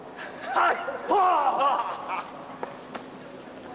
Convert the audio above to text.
はい！